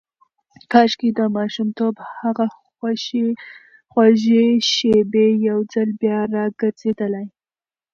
کاشکې د ماشومتوب هغه خوږې شېبې یو ځل بیا راګرځېدلای.